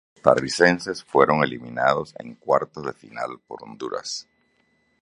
Los costarricenses fueron eliminados en cuartos de final por Honduras.